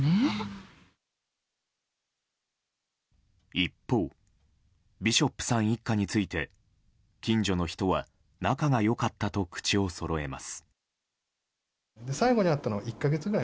一方ビショップさん一家について近所の人は、仲が良かったと口をそろえます。